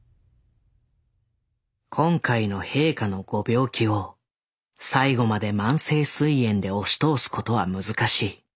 「今回の陛下のご病気を最後まで慢性膵炎で押し通すことは難しい。